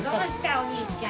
お兄ちゃん。